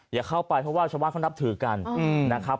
อย่าเข้าไปเพราะว่าชาวบ้านเขานับถือกันนะครับ